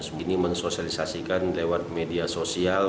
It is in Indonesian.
semuanya ini mensosialisasikan lewat media sosial